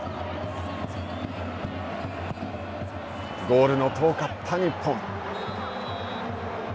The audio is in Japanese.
ゴールの遠かった日本。